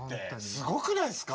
すごくないっすか？